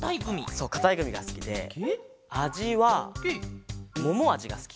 そうかたいグミがすきであじはももあじがすきかな。